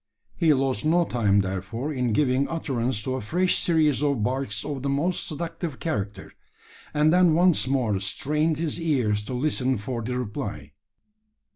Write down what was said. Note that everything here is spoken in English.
He lost no time, therefore, in giving utterance to a fresh series of barks of the most seductive character; and then once more strained his ears to listen for the reply.